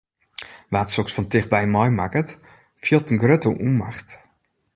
Wa’t soks fan tichtby meimakket, fielt in grutte ûnmacht.